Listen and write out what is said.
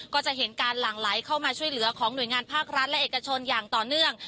ก็จะเห็นการหลั่งไหลเข้ามาช่วยเหลือของหน่วยงานภาครัฐและเอกชนอย่างต่อเนื่อง